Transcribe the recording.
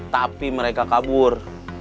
tapi mereka kabur